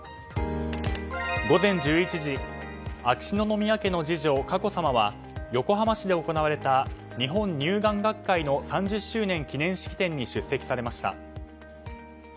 午前１１時秋篠宮家の次女・佳子さまは横浜市で行われた日本乳癌学会の３０周年記念式典に出席されました。